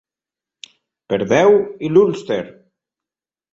Per Déu i l'Ulster.